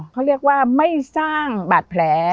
เขาเรียกว่าไม่สร้างบาดแผล